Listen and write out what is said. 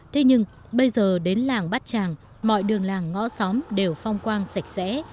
thế nhưng bây giờ đến làng bát tràng mọi đường làng ngõ xóm đều phong quang sạch sẽ